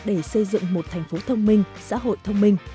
để xây dựng một thành phố thông minh xã hội thông minh